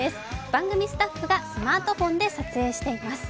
番組スタッフがスマートフォンで撮影しています。